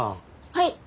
はい。